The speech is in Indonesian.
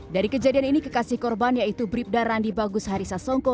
dari kejadian ini kekasih korban yaitu bribda randi bagus harisa songko